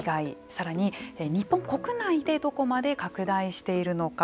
さらに日本国内でどこまで拡大しているのか。